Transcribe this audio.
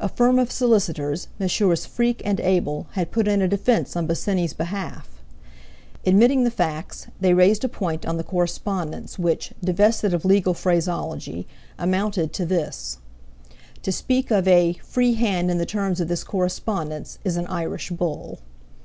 A firm of solicitors, Messrs. Freak and Able, had put in a defence on Bosinney's behalf. Admitting the facts, they raised a point on the correspondence which, divested of legal phraseology, amounted to this: To speak of "a free hand in the terms of this correspondence" is an Irish bull.